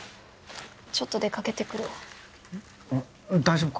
ちょっと出かけてくる大丈夫か？